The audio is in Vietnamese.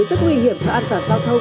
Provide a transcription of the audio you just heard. rất nguy hiểm cho an toàn giao thông